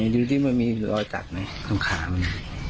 ดูที่มันมีรอยตักตรงขามัน